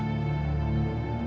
aku mau balik